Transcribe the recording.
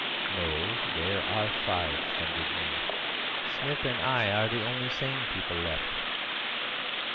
"No; there are five," thundered Moon. "Smith and I are the only sane people left."